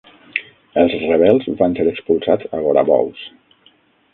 Els rebels van ser expulsats a Gorabous.